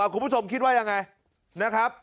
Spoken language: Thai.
เอ้าคุณผู้ชมคิดจะเอาอย่างไงนะครับ